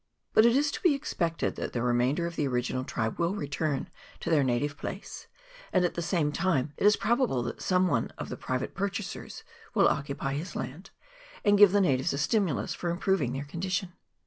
But it is to be expected that the remainder of the original tribe will return to their native place, and at the same time it is probable that some one of the private pur chasers will occupy his land, and give the natives a stimulus for improving their condition.